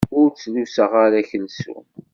Ur ttluseɣ ara akalsun.